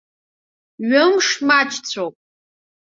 Ҩымш маҷцәоуп.